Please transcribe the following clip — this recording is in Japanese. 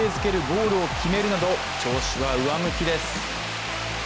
ゴールを決めるなど調子は上向きです。